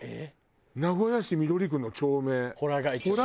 名古屋市緑区の町名。